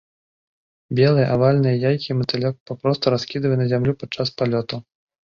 Белыя, авальныя яйкі матылёк папросту раскідвае на зямлю падчас палёту.